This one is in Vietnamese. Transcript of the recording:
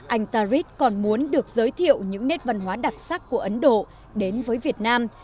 anh tarid còn muốn được giới thiệu những nét văn hóa đặc sắc của ấn độ đến với việt nam